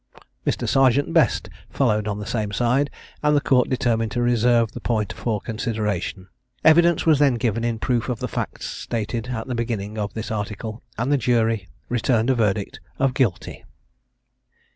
Mr. Serjeant Best followed on the same side, and the Court determined to reserve the point for consideration. Evidence was then given in proof of the facts stated at the beginning of this article, and the jury returned a verdict of Guilty.